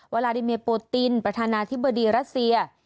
ลาลาดิเมียโปตินประธานาธิบดีรัสเซีย